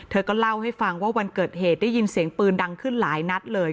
เธอก็เล่าให้ฟังว่าวันเกิดเหตุได้ยินเสียงปืนดังขึ้นหลายนัดเลย